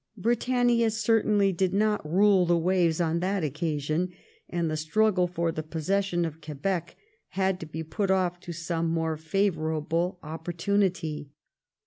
Britannia certainly did not rule the waves on that occasion, and the struggle for the possession of Quebec had to be put off to some more favourable opportunity.